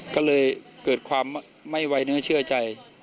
ก็เลยเกิดความไม่ไว้เนื้อเชื่อใจ